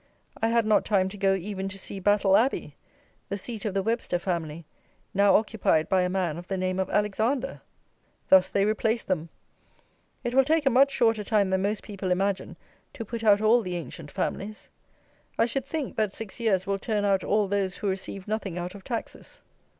I had not time to go even to see Battle Abbey, the seat of the Webster family, now occupied by a man of the name of Alexander! Thus they replace them! It will take a much shorter time than most people imagine to put out all the ancient families. I should think, that six years will turn out all those who receive nothing out of taxes.